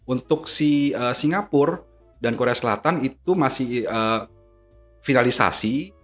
untuk si singapura dan korea selatan itu masih finalisasi